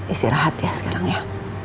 istirahat ya sekarang ya